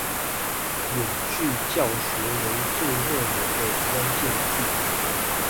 遠距教學為最熱門的關鍵字